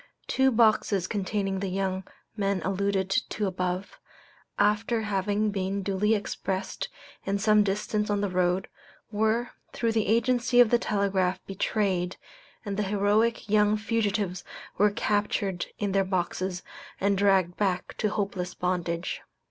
Two boxes containing the young men alluded to above, after having been duly expressed and some distance on the road, were, through the agency of the telegraph, betrayed, and the heroic young fugitives were captured in their boxes and dragged back to hopeless bondage.